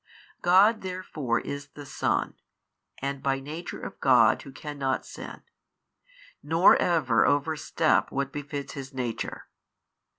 God therefore is the Son, and by Nature of God who cannot sin, nor over overstep what befits His Nature.